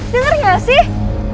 denger gak sih